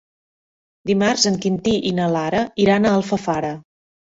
Dimarts en Quintí i na Lara iran a Alfafara.